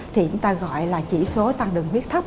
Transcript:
thì chúng ta gọi là chỉ số tăng đường huyết thấp